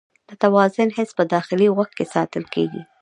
د توازن حس په داخلي غوږ کې ساتل کېږي.